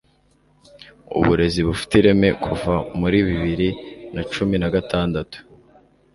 Uburezi bufite ireme Kuva muri bibiri na cumi na gatandatu